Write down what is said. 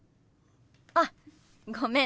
あごめん。